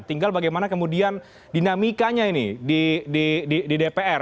tinggal bagaimana kemudian dinamikanya ini di dpr